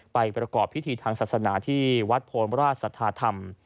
ประกอบพิธีทางศาสนาที่วัดโพนราชสัทธาธรรม